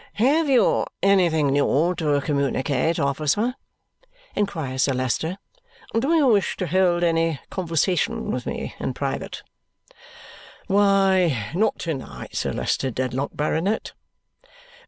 "Have you anything new to communicate, officer?" inquires Sir Leicester. "Do you wish to hold any conversation with me in private?" "Why not to night, Sir Leicester Dedlock, Baronet."